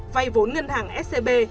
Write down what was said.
vay vốn ngân hàng scb